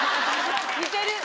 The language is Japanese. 似てる。